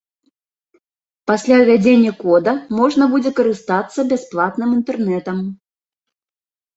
Пасля ўвядзення кода можна будзе карыстацца бясплатным інтэрнэтам.